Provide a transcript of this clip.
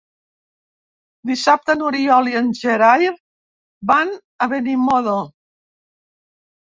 Dissabte n'Oriol i en Gerai van a Benimodo.